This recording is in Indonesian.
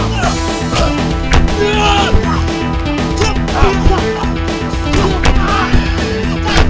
mereka bisa berdua